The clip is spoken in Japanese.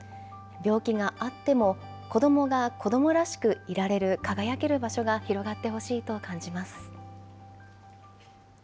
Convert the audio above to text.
病気があっても、子どもが子どもらしくいられる、輝ける場所が広がってほしいと感じます。